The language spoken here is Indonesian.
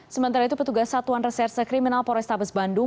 sementara itu petugas satuan reserse kriminal polrestabes bandung